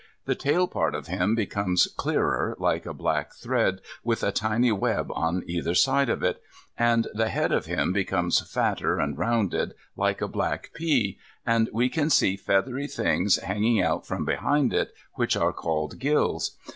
The tail part of him becomes clearer, like a black thread with a fine web at either side of it, and the head of him becomes fatter and rounded, like a black pea, and we can see feathery things hanging out from behind it, which are called gills.